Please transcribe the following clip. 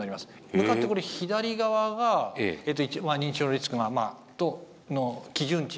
向かってこれ左側が一応認知症リスクの基準値ですね。